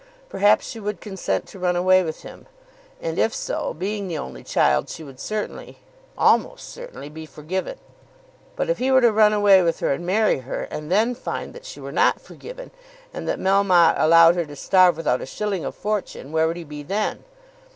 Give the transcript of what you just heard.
Perhaps she would consent to run away with him; and, if so, being the only child, she would certainly, almost certainly, be forgiven. But if he were to run away with her and marry her, and then find that she were not forgiven, and that Melmotte allowed her to starve without a shilling of fortune, where would he be then?